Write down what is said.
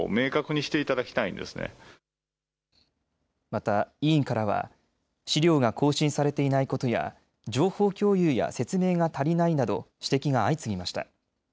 また委員からは資料が更新されていないことや情報共有や説明が足りないなど指摘が相次ぎました。